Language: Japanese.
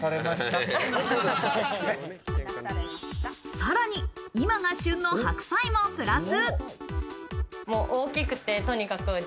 さらに今が旬の白菜もプラス！